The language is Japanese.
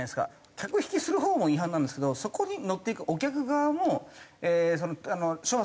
客引きする方も違反なんですけどそこにのっていくお客側も処罰の対象にできないんですか？